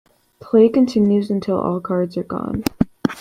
Play continues until all cards are gone.